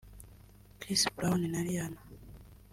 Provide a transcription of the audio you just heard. Chris Brown na Rihanna